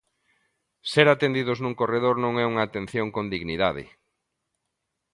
Ser atendidos nun corredor non é unha atención con dignidade.